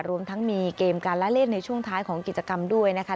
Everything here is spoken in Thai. รวมทั้งมีเกมการละเล่นในช่วงท้ายของกิจกรรมด้วยนะคะ